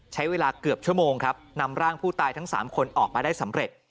ใช้เวลาเกือบชั่วโมงครับนำร่างผู้ตายทั้ง๓คนออกมาได้สำเร็จ